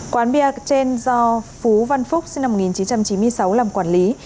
quán bia trên do phú văn phúc sinh năm một nghìn chín trăm chín mươi sáu làm quản lý